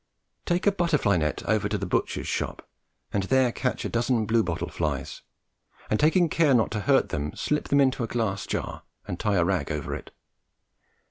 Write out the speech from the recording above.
Take a butterfly net over to the butchers shop, and there catch a dozen bluebottle flies, and, taking care not to hurt them, slip them into a glass jar and tie a rag over it.